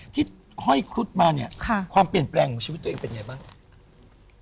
ห้อยครุฑมาเนี่ยความเปลี่ยนแปลงของชีวิตตัวเองเป็นไงบ้าง